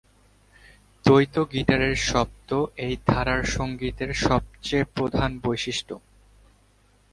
দ্বৈত গিটারের শব্দ এই ধারার সঙ্গীতের সবচেয়ে প্রধান বৈশিষ্ট্য।